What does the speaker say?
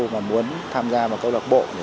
mà muốn tham gia vào câu lạc bộ để